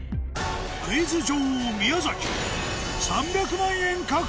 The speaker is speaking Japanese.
クイズ女王宮崎